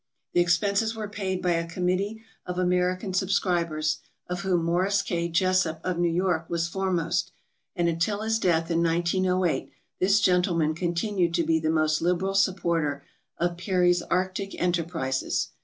The expenses were paid by a committee of American subscribers, of whom Morris K. Jesup of New York was foremost; and until his death in 1908 this gentleman continued to be the most liberal supporter of Peary's arctic enterprises.